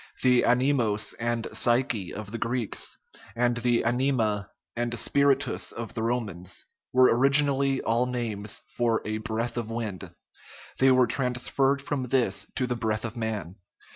The anemos and psyche of the Greeks, and the anima and spiritus of the Romans, were origi nally all names for " a breath of wind "; they were trans ferred from this to the breath of man.